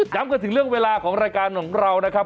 กันถึงเรื่องเวลาของรายการของเรานะครับ